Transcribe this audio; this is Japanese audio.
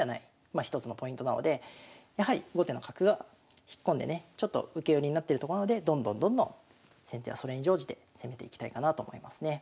まあ一つのポイントなのでやはり後手の角が引っ込んでねちょっと受け寄りになってるところでどんどんどんどん先手はそれに乗じて攻めていきたいかなと思いますね。